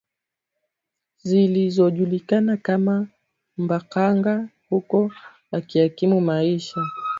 Zilizojulikana kama mbaqanga huku akiyakimu maisha yake